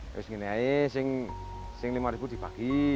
terus gini aja yang rp lima dibagi